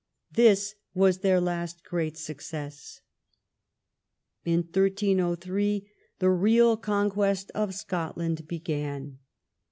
This was their last great success. In 1303 the real conquest of Scotland began.